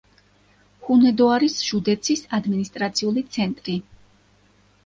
ჰუნედოარის ჟუდეცის ადმინისტრაციული ცენტრი.